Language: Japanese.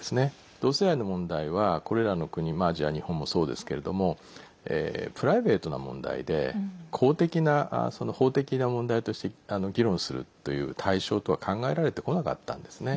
同性愛の問題は、これらの国アジア、日本もそうですけれどもプライベートな問題で公的な、法的な問題として議論するという対象とは考えられてこなかったんですね。